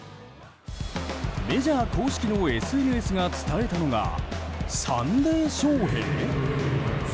メジャー公式のＳＮＳが伝えたのがサンデーショーヘイ？